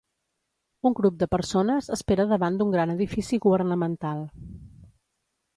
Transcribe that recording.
Un grup de persones espera davant d'un gran edifici governamental.